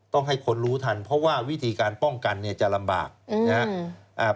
ต้องให้คนรู้ทันเพราะว่าวิธีการป้องกันเนี่ยจะลำบากนะครับ